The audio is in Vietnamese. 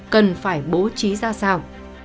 cần phải bố trí ra sao